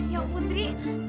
ya om putri